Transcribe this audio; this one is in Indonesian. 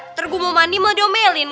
ntar gue mau mandi mau diomelin gue